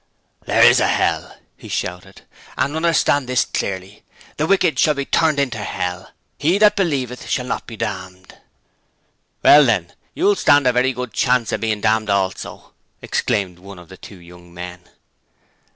'There is a Hell!' he shouted. 'And understand this clearly "The wicked shall be turned into hell" "He that believeth not shall be damned."' 'Well, then, you'll stand a very good chance of being damned also,' exclaimed one of the two young men.